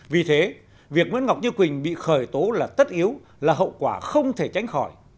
vì thế việc nguyễn ngọc như quỳnh bị khởi tố là tất yếu là hậu quả không thể tránh khỏi